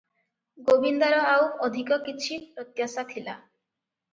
ଗୋବିନ୍ଦାର ଆଉ ଅଧିକ କିଛି ପ୍ରତ୍ୟାଶା ଥିଲା ।